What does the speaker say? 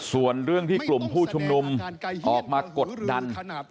ส่วนเรื่องที่กลุ่มผู้ชุมนุมออกมากดดัน